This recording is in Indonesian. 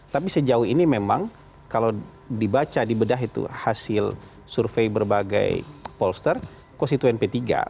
tapi sejauh ini memang kalau dibaca dibedah itu hasil survei berbagai polster konstituen p tiga